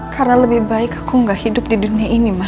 karena lebih baik aku gak hidup di dunia ini ma